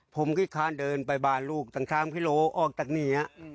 ผมคิดความเดินไปบ้านลูกต่างกิโลการ์ออกตากนี่